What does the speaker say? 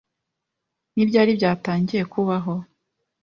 Ni ryari byatangiye kubaho?